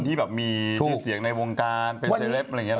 คนที่แบบมีที่เสียงในวงการเป็นเซเลฟอะไรอย่างเงี้ย